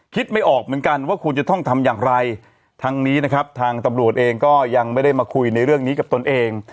ไม่ออกเหมือนกันว่าคุณจะต้องทำอย่างไรทั้งนี้นะครับทางตำรวจเองก็ยังไม่ได้มาคุยในเรื่องนี้กับตนเอง